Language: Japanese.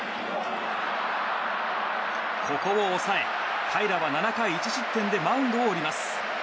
ここを抑え、平良は７回１失点でマウンドを降ります。